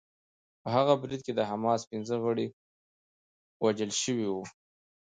په هغه برید کې د حماس پنځه غړي وژل شوي وو